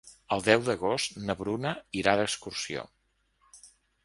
El deu d'agost na Bruna irà d'excursió.